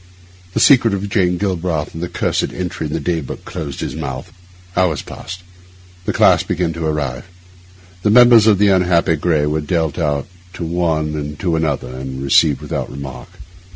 The secret of Jane Galbraith and the cursed entry in the day book closed his mouth. Hours passed; the class began to arrive; the members of the unhappy Gray were dealt out to one and to another, and received without remark.